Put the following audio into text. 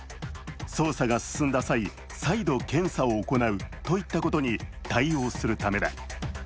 捜査が進んだ際、再度検査を行うといったことに対応するためだ。